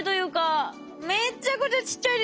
めっちゃくちゃちっちゃいですよ。